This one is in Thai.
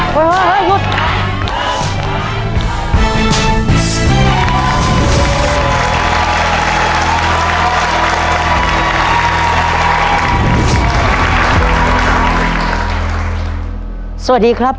สวัสดีครับ